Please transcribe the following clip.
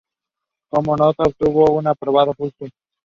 The team was coached by tenth year head coach Chaka Daley.